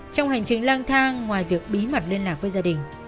trong hành trình lang thang ngoài việc bí mật liên lạc với gia đình